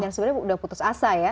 dan sebenarnya udah putus asa ya